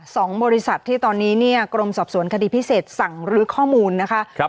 สองบริษัทที่ตอนนี้เนี่ยกรมสอบสวนคดีพิเศษสั่งรื้อข้อมูลนะคะครับ